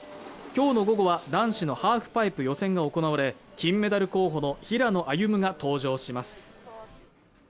今日の午後は男子のハーフパイプ予選が行われ金メダル候補の平野歩夢が登場します